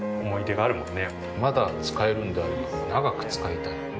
まだ使えるんであれば長く使いたい。